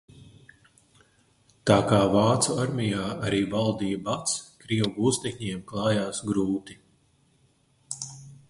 Tā kā vācu armijā arī valdīja bads, krievu gūstekņiem klājās grūti.